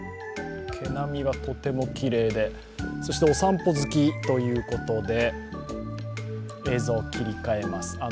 毛並みがとてもきれいでそしてお散歩好きということで映像、切り替えます。